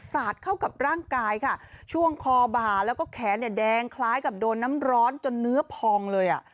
สาดเข้ากับร่างกายค่ะช่วงคอบ่าแล้วก็แขนเนี่ยแดงคล้ายกับโดนน้ำร้อนจนเนื้อพองเลยอ่ะ